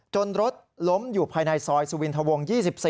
รถล้มอยู่ภายในซอยสุวินทวง๒๔